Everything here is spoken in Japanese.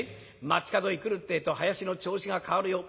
街角へ来るってえと囃子の調子が変わるよ。